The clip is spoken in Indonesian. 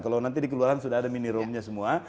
kalau nanti di kelurahan sudah ada mini roomnya semua